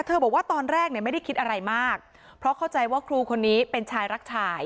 บอกว่าตอนแรกเนี่ยไม่ได้คิดอะไรมากเพราะเข้าใจว่าครูคนนี้เป็นชายรักชาย